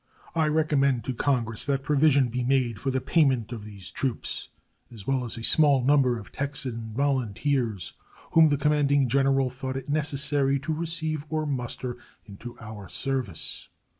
I recommend to Congress that provision be made for the payment of these troops, as well as a small number of Texan volunteers whom the commanding general thought it necessary to receive or muster into our service.